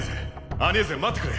アニェーゼ待ってくれ。